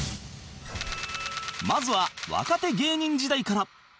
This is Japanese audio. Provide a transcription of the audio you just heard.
まずは若手芸人時代から